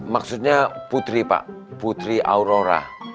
maksudnya putri pak putri aurora